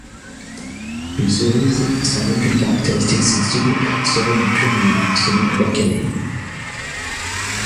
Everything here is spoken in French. Une cerise sans aucune caractéristique sensible serait du pur néant, selon Berkeley.